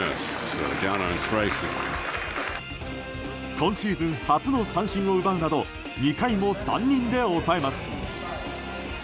今シーズン初の三振を奪うなど２回も３人で抑えます。